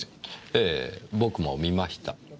ええ僕も見ました。